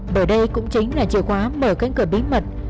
bởi đây cũng chính là chìa khóa mở cánh cửa bí mật